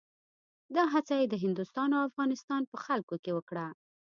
دا هڅه یې د هندوستان او افغانستان په خلکو کې وکړه.